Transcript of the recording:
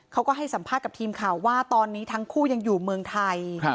เขาก็ให้สัมภาษณ์กับทีมข่าวว่าตอนนี้ทั้งคู่ยังอยู่เมืองไทย